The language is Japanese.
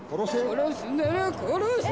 殺すなら殺せ。